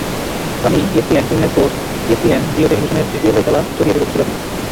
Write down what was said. Sony ESPN, Premier Sports, ESPN, Geo টেলিভিশনের বিপিএলের খেলা ছড়িয়ে দেবে বিশ্বব্যাপী।